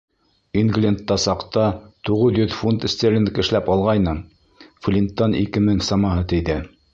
Инглендта саҡта туғыҙ йөҙ фунт стерлинг эшләп алғайным, Флинттан ике мең самаһы тейҙе.